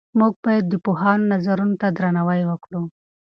موږ باید د پوهانو نظرونو ته درناوی وکړو.